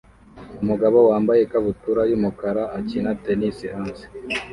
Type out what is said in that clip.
Umugabo wambaye ikabutura yumukara akina tennis hanze